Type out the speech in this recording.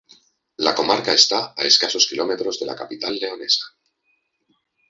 La comarca está a escasos kilómetros de la capital leonesa.